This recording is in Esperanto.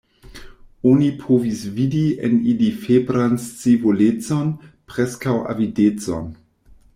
Oni povis vidi en ili febran scivolecon, preskaŭ avidecon.